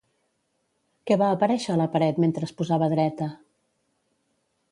Què va aparèixer a la paret mentre es posava dreta?